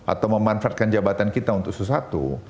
atau memanfaatkan jabatan kita untuk sesuatu